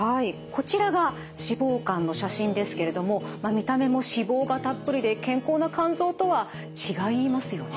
こちらが脂肪肝の写真ですけれども見た目も脂肪がたっぷりで健康な肝臓とは違いますよね。